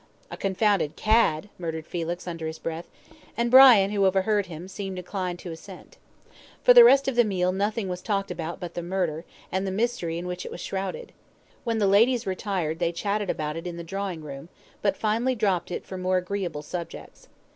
"A confounded cad," muttered Felix, under his breath; and Brian, who overheard him, seemed inclined to assent. For the rest of the meal nothing was talked about but the murder, and the mystery in which it was shrouded. When the ladies retired they chatted about it in the drawingroom, but finally dropped it for more agreeable subjects.